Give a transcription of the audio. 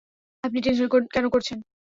আপনি টেনশন কেন করছেন।